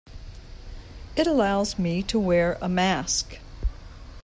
It allows me to wear a mask.